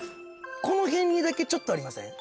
この辺にだけちょっとありません？